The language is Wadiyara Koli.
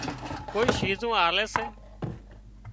ڪوئي شِيزُون آلي سي